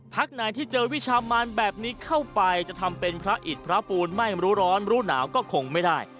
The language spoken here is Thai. ไหนที่เจอวิชามานแบบนี้เข้าไปจะทำเป็นพระอิตพระปูนไม่รู้ร้อนรู้หนาวก็คงไม่ได้